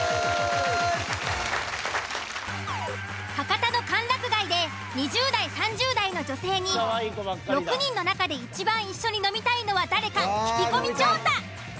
博多の歓楽街で２０代３０代の女性に６人の中でいちばん一緒に飲みたいのは誰か聞き込み調査。